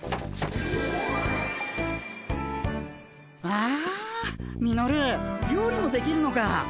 わあミノル料理もできるのか。